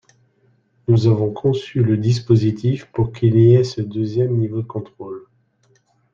Nous avons conçu le dispositif pour qu’il y ait ce deuxième niveau de contrôle.